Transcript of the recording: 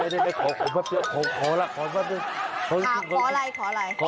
งั้นให้คุณชนะเชิญชวนนักท่องเที่ยวมาดูนางลำค่ะ